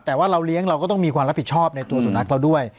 แต่ว่าเราเลี้ยงเราก็ต้องมีความรับผิดชอบในตัวสุนัขเราด้วย